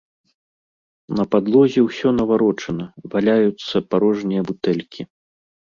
На падлозе ўсё наварочана, валяюцца парожнія бутэлькі.